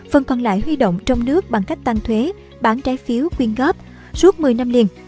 phần còn lại huy động trong nước bằng cách tăng thuế bán trái phiếu quyên góp suốt một mươi năm liền